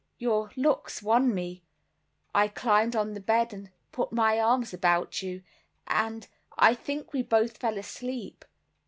"Your looks won me; I climbed on the bed and put my arms about you, and I think we both fell asleep.